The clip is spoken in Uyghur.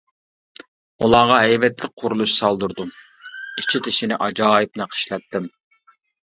ئۇلارغا ھەيۋەتلىك قۇرۇلۇش سالدۇردۇم، ئىچى-تېشىنى ئاجايىپ نەقىشلەتتىم.